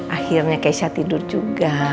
akhirnya keisha tidur juga